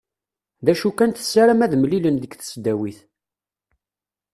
D acu kan tessaram ad mlilen deg tesdawit.